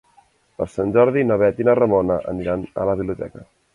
Per Sant Jordi na Bet i na Ramona aniran a la biblioteca.